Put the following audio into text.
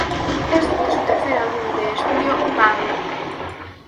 Es de su tercer álbum de estudio, Bang!